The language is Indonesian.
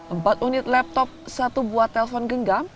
empat unit laptop satu buah telpon genggam